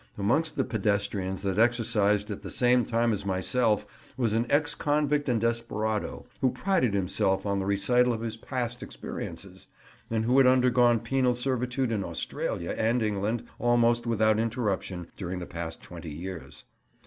Amongst the pedestrians that exercised at the same time as myself was an ex convict and desperado, who prided himself on the recital of his past experiences, and who had undergone penal servitude in Australia and England almost without interruption during the past 20 years.